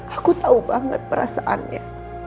aku tahu banget perasaannya